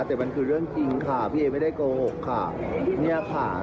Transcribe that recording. แต่มันคือเรื่องจริงค่ะพี่เอไม่ได้โกหกค่ะเนี่ยค่ะ